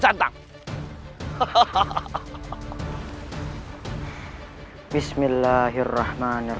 saya akan menjaga kebenaran raden